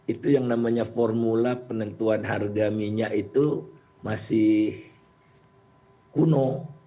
itu yang namanya formula penentuan harga minyak itu masih kuno